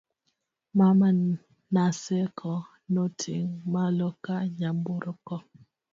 mama, Naseko noting' malo ka nyamburko